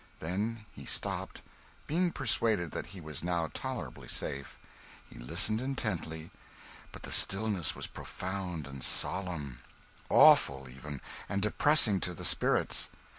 Then he stopped; being persuaded that he was now tolerably safe. He listened intently, but the stillness was profound and solemn awful, even, and depressing to the spirits.